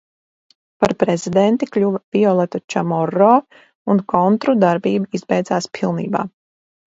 Par prezidenti kļuva Violeta Čamorro un kontru darbība izbeidzās pilnībā.